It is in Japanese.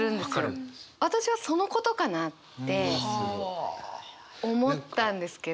私はそのことかなって思ったんですけど。